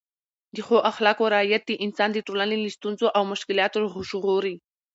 د ښو اخلاقو رعایت انسان د ټولنې له ستونزو او مشکلاتو ژغوري.